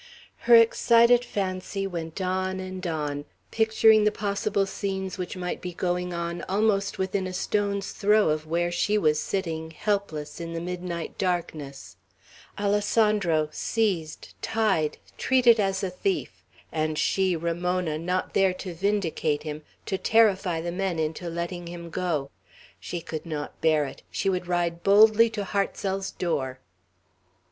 Her excited fancy went on and on, picturing the possible scenes which might be going on almost within stone's throw of where she was sitting, helpless, in the midnight darkness, Alessandro seized, tied, treated as a thief, and she, Ramona, not there to vindicate him, to terrify the men into letting him go. She could not bear it; she would ride boldly to Hartsel's door.